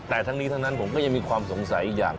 แต่ทั้งนี้ทั้งนั้นผมก็ยังมีความสงสัยอีกอย่าง